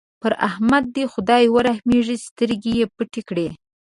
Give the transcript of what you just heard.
پر احمد دې خدای ورحمېږي؛ سترګې يې پټې کړې.